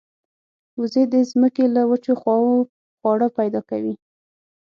وزې د زمکې له وچو خواوو خواړه پیدا کوي